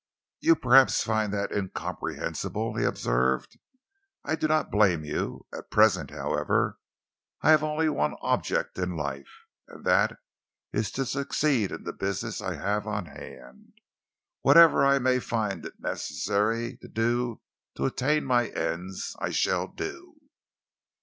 "You perhaps find that incomprehensible," he observed. "I do not blame you. At present, however, I have only one object in life, and that is to succeed in the business I have on hand. Whatever I may find it necessary to do to attain my ends, I shall do."